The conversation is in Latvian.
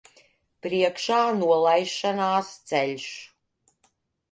Priekšā nolaišanās ceļš.